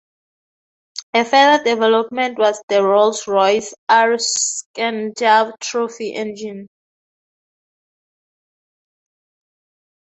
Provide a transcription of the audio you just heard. A further development was the Rolls-Royce R Schneider Trophy engine.